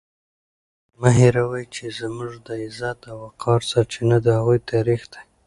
تاسو مه هېروئ چې زموږ د عزت او وقار سرچینه د هغوی تاریخ دی.